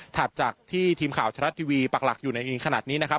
ถัดจากที่ทีมข่าวชาวรัฐทีวีปรักหลักอยู่ในอีกขนาดนี้นะครับ